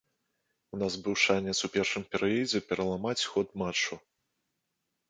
У нас быў шанец у першым перыядзе пераламаць ход матчу.